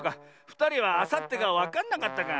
ふたりはあさってがわかんなかったか。